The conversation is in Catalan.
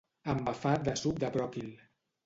Embafat de suc de bròquil.